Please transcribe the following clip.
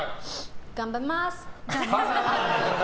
頑張ります！